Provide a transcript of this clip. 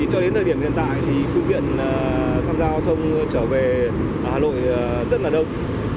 cho đến thời điểm hiện tại khu viện tham gia giao thông trở về hà nội rất là đông